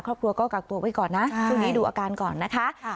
ครอบครัวก็กักตัวไว้ก่อนนะช่วงนี้ดูอาการก่อนนะคะ